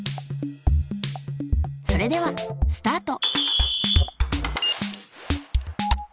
それではスタート。